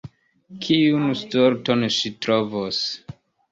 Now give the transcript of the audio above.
Kiun sorton ŝi trovos?